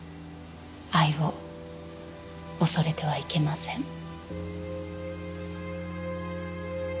愛を恐れてはいけません